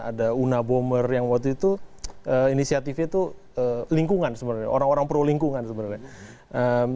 ada una bommer yang waktu itu inisiatifnya itu lingkungan sebenarnya orang orang pro lingkungan sebenarnya